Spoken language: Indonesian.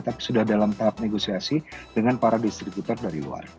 tapi sudah dalam tahap negosiasi dengan para distributor dari luar